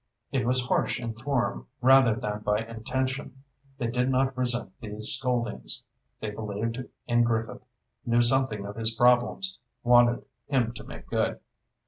It was harsh in form, rather than by intention. They did not resent these scoldings. They believed in Griffith, knew something of his problems, wanted him to make good.